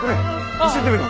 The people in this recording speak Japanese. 見せてみろ！